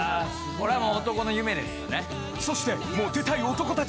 これはもう男の夢ですよね。